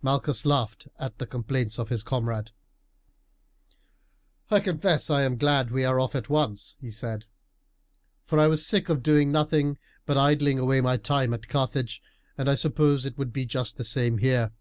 Malchus laughed at the complaints of his comrade. "I confess I am glad we are off at once," he said, "for I was sick of doing nothing but idling away my time at Carthage; and I suppose it would be just the same here.